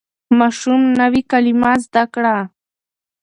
ماشوم نوې کلمه زده کړه